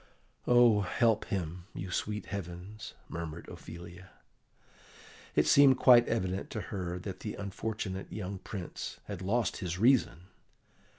"Oh, help him, you sweet heavens!" murmured Ophelia. It seemed quite evident to her that the unfortunate young Prince had lost his reason.